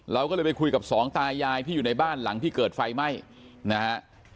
เราก็เลยไปคุยกับสองตายายที่อยู่ในบ้านหลังที่เกิดไฟไหม้นะฮะ